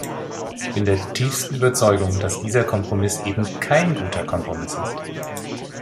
Ich bin der tiefsten Überzeugung, dass dieser Kompromiss eben kein guter Kompromiss ist.